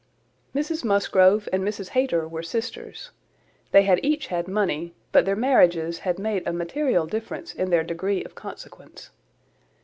Mrs Musgrove and Mrs Hayter were sisters. They had each had money, but their marriages had made a material difference in their degree of consequence.